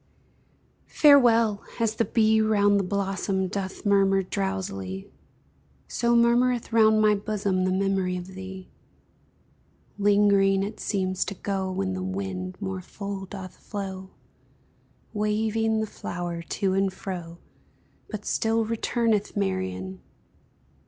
Farewell! as the bee round the blossom Doth murmur drowsily, So murmureth round my bosom The memory of thee; Lingering, it seems to go, When the wind more full doth flow, Waving the flower to and fro, But still returneth, Marian!